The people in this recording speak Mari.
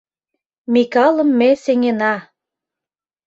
Микалым ме сеҥена.